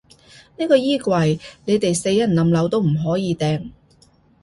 呢個衣櫃，你哋死人冧樓都唔可以掟